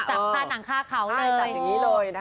ใช่จับอย่างนี้เลยนะฮะ